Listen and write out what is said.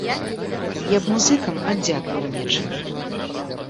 Я б музыкам аддзякаваў нечым.